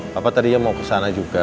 papa tadinya mau kesana juga